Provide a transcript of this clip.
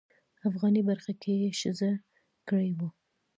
افغاني برخه کې یې ښځه کړې وه.